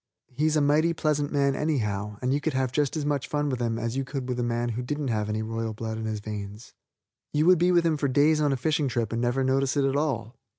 He is a mighty pleasant man, anyhow, and you can have just as much fun with him as you could with a man who didn't have any royal blood in his veins. You would be with him for days on a fishing trip and never notice it at all.